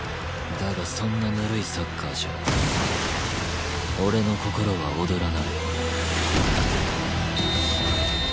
だがそんなぬるいサッカーじゃ俺の心は躍らない。